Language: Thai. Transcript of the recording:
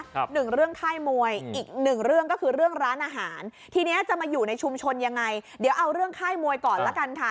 หนึ่งเรื่องค่ายมวยอีกหนึ่งเรื่องก็คือเรื่องร้านอาหารทีเนี้ยจะมาอยู่ในชุมชนยังไงเดี๋ยวเอาเรื่องค่ายมวยก่อนละกันค่ะ